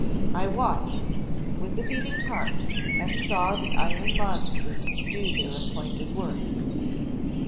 ... I watched ... with a beating heart, and saw the iron monsters do their appointed work."